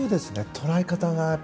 捉え方が。